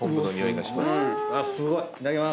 すごい！いただきます。